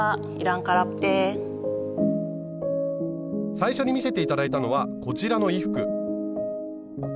最初に見せて頂いたのはこちらの衣服。